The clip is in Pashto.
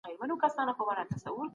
غرني خلګ د هوارې د خلګو په څېر نه دي.